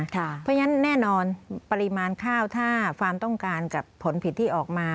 เพราะฉะนั้นแน่นอนปริมาณข้าวถ้าฟาร์มต้องการกับผลผิดที่ออกมา